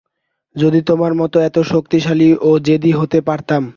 যদি তোমার মতো এত শক্তিশালী ও জেদী হতে পারতাম।